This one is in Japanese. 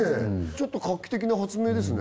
ちょっと画期的な発明ですね